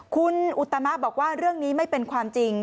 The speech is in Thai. คุณอุตมะบอกว่าเรื่องนี้ไม่เป็นความจริง